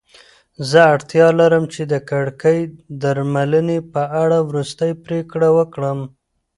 زه اړتیا لرم چې د کړکۍ درملنې په اړه وروستۍ پریکړه وکړم.